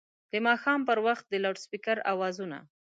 د ماښام پر وخت د لوډسپیکر اوازونه